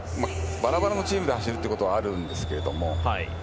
バラバラのチームで走ることはあるんですけども。